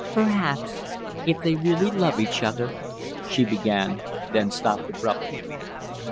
"Perhaps, if they really love each other " she began, then stopped abruptly.